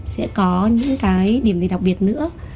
sẽ có những cái điểm gì đặc biệt nữa